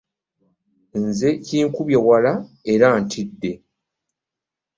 Nze kinkubye wala era ntidde.